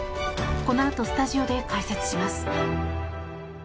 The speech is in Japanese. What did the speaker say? このあとスタジオで解説します。